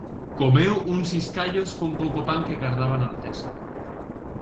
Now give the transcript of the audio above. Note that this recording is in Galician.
Comeu uns iscallos cun pouco pan que gardaba na artesa.